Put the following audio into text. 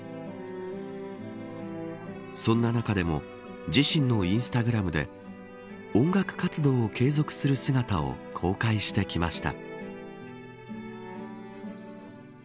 そんな中でも自身のインスタグラムで音楽活動を継続する姿を公開してきました。